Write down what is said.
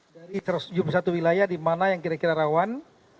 dari satu ratus tujuh puluh satu wilayah di mana yang kira kira rawan